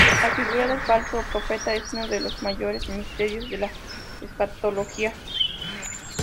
La figura del Falso Profeta es uno de los mayores misterios de la escatología.